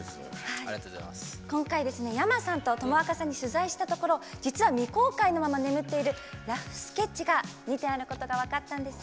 今回、ｙａｍａさんとともわかさんに取材したところ実は未公開のまま眠っているラフスケッチが２点あることが分かったんです。